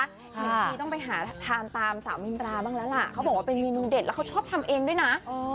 บางทีต้องไปหาทานตามสาวมินราบ้างแล้วล่ะเขาบอกว่าเป็นเมนูเด็ดแล้วเขาชอบทำเองด้วยนะ